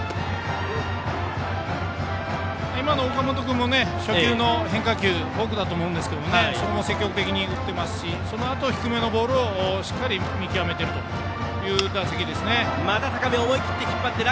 今の岡本君初球の変化球フォークだと思うんですけどそこを積極的に打っていますしそのあとも低めのボールをしっかり見極めているという打席ですね。